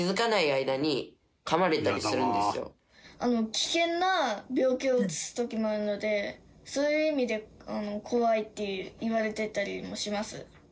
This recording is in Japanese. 危険な病気をうつす時もあるのでそういう意味で怖いっていわれてたりもします。